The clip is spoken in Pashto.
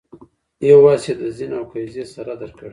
یو آس یې د زین او کیزې سره درکړی.